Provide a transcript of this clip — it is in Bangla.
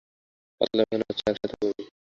পাতলা পায়খানা হচ্ছে আর সাথে বমি।